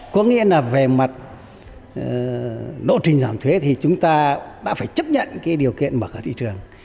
có nghĩa là về mặt lộ trình giảm thuế thì chúng ta đã phải chấp nhận cái điều kiện mở cửa thị trường